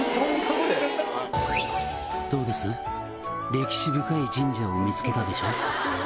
歴史深い神社を見つけたでしょ」